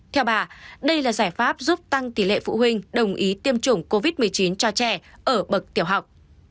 theo bà đây là giải pháp giúp tăng tỷ lệ phụ huynh đồng ý tiêm chủng covid một mươi chín cho trẻ ở bậc tiểu học